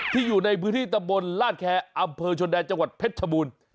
อยู่ในพื้นที่ตำบลลาดแคร์อำเภอชนแดนจังหวัดเพชรชบูรณ์